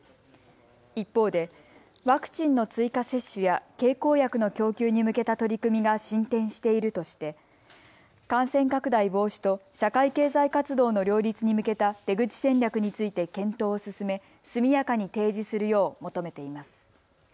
一方でワクチンの追加接種や経口薬の供給に向けた取り組みが進展しているとして感染拡大防止と社会経済活動の両立に向けた出口戦略について検討を進め、速やかに提示するよう求めています。